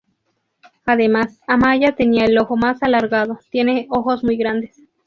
Además, Amaia tiene el ojo más alargado, tiene ojos muy grandes.